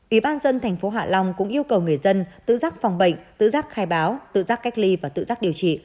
ủy ban dân thành phố hạ long cũng yêu cầu người dân tự giác phòng bệnh tự giác khai báo tự giác cách ly và tự giác điều trị